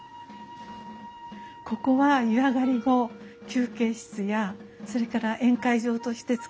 ここは湯上がり後休憩室やそれから宴会場として使われていました。